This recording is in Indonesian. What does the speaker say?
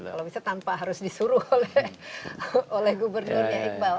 kalau bisa tanpa harus disuruh oleh gubernurnya iqbal